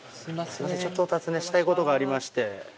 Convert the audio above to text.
ちょっとお尋ねしたいことがありまして。